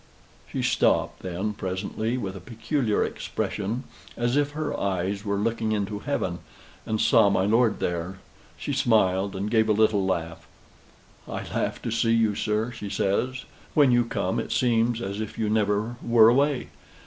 She stopped, then presently, with a peculiar expression, as if her eyes were looking into heaven, and saw my lord there, she smiled, and gave a little laugh. "I laugh to see you, sir," she says; "when you come, it seems as if you never were away."